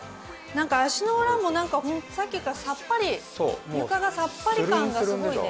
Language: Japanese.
なんか足の裏もさっきからさっぱり床がさっぱり感がすごいね。